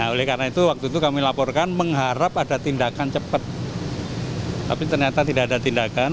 oleh karena itu waktu itu kami laporkan mengharap ada tindakan cepat tapi ternyata tidak ada tindakan